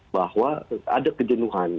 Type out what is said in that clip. bahwa ada kejenuhan